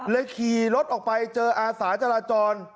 ขี่รถออกไปเจออาสาจราจร